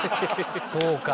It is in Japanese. そうか！